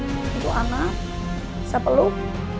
tunggu anak bisa peluk